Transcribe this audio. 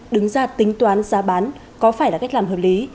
đứng ra tính toán giá bán có phải là cách làm hợp lý